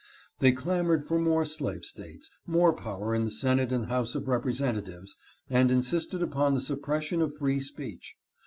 They clamored for more slave States, more power in the Senate and House of Representatives, and insisted upon the suppression of free speech.